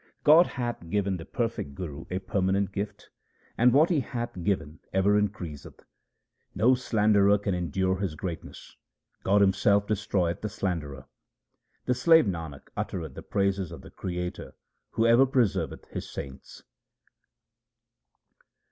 God hath given the perfect Guru a permanent gift, and what He hath given ever increaseth. No slanderer can endure his greatness ; God Himself destroyeth the slanderer. The slave Nanak uttereth the praises of the Creator who ever preserveth His saints.